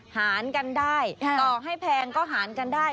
หารกันได้ต่อให้แพงก็หารกันได้